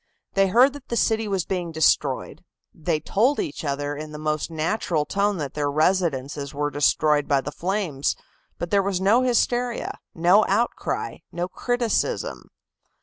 They heard that the city was being destroyed; they told each other in the most natural tone that their residences were destroyed by the flames, but there was no hysteria, no outcry, no criticism.